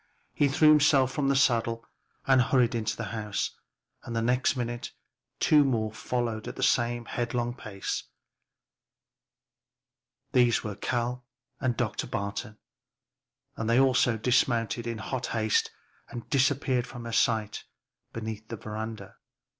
He threw himself from the saddle and hurried into the house, and the next minute two more followed at the same headlong pace. These were Cal and Dr. Barton, and they also dismounted in hot haste and disappeared from her sight beneath the veranda.